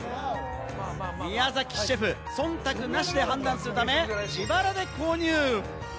宮崎シェフ、忖度なしで判断するため、自腹で購入。